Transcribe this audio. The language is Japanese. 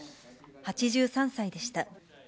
８３歳でした。